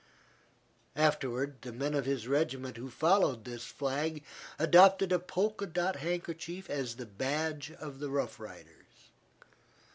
Afterward, the men of his regiment who followed this flag, adopted a polka dot handkerchief as the badge of the Rough Riders.